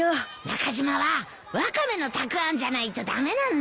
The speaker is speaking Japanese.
中島はワカメのたくあんじゃないと駄目なんだよ。